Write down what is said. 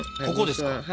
ここですか？